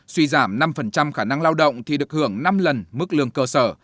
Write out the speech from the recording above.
suy giảm năm khả năng lao động thì được hưởng năm lần mức lương cơ sở